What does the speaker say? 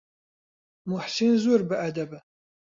موحسین زۆر بەئەدەبە.